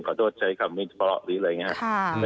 ขอโทษใช้คำวิเคราะห์หรืออะไรอย่างนี้